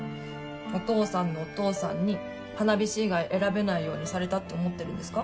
お父さんのお父さんに花火師以外選べないようにされたって思ってるんですか？